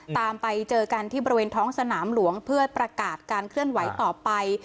ตามไปเจอกันที่บริเวณท้องสนามหลวงเพื่อประกาศการเคลื่อนไหวต่อไป